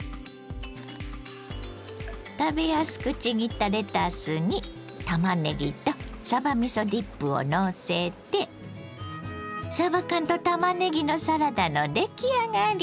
食べやすくちぎったレタスにたまねぎとさばみそディップをのせてさば缶とたまねぎのサラダの出来上がり。